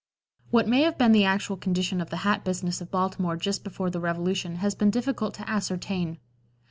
What may have been the actual condition of the hat business of Baltimore just before the Revolution has been difficult to ascertain.